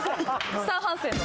スタン・ハンセンの。